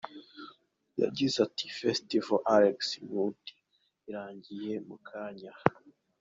Yagize ati: “Festival Axis Mundi irangiye mukanya.